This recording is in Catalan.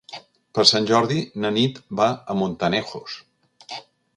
Per Sant Jordi na Nit va a Montanejos.